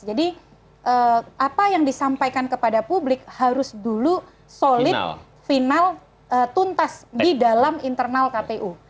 jadi apa yang disampaikan kepada publik harus dulu solid final tuntas di dalam internal kpu